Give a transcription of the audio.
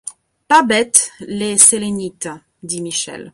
Pas bêtes, les Sélénites! dit Michel.